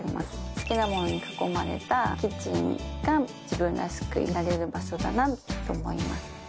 好きなものに囲まれたキッチンが自分らしくいられる場所だなと思います。